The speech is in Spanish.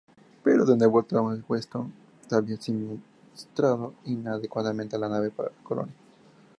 Pero, de nuevo, Thomas Weston había suministrado inadecuadamente la nave para la colonia.